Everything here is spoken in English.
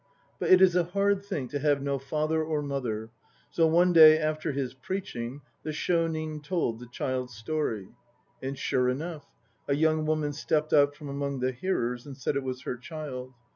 But it is a hard thing to have no father or mother, so one day after his preaching the Shonin told the child's story. And sure enough a young woman stepped out from among the hearers and said it was her child.